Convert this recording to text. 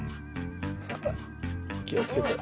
気をつけて。